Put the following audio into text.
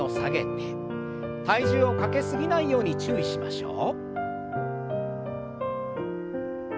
体重をかけ過ぎないように注意しましょう。